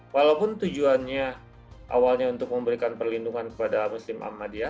walaupun tujuannya awalnya untuk memberikan perlindungan kepada muslim ahmadiyah